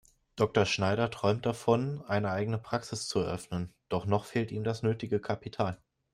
Dr. Schneider träumt davon, eine eigene Praxis zu eröffnen, doch noch fehlt ihm das nötige Kapital.